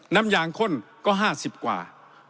น้ำยางข้นก็๕๐กว่า